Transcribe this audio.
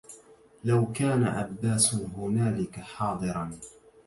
لو كان عباس هنالك حاضرا